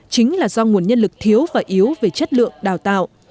chính là do nguồn nhân lực thiếu và yếu về chất lượng đào tạo